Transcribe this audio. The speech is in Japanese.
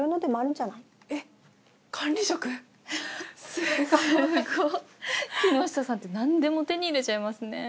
すごい。木下さんってなんでも手に入れちゃいますね。